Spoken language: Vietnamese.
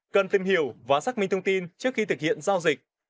cần tìm hiểu và xác minh thông tin trước khi thực hiện giao dịch